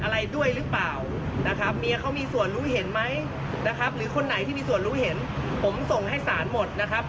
แล้วก็ผมตรวจสอบแล้วเนี่ยเขามีส่งไลน์มาแค่วันที่๑ภูจิกานะครับ